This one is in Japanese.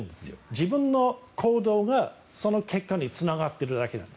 自分の行動がその結果につながってるだけなんです。